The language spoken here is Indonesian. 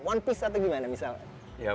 one peace atau gimana misalnya